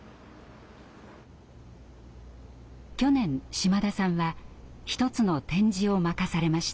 去年島田さんは一つの展示を任されました。